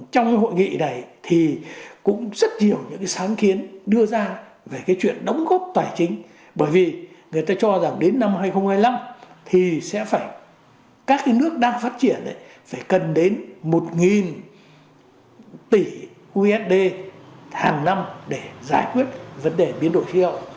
trong cái hội nghị này thì cũng rất nhiều những cái sáng kiến đưa ra về cái chuyện đóng góp tài chính bởi vì người ta cho rằng đến năm hai nghìn hai mươi năm thì sẽ phải các cái nước đang phát triển đấy phải cần đến một tỷ usd hàng năm để giải quyết vấn đề biến đổi khí hậu